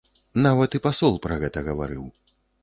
Нават і пасол пра гэта гаварыў.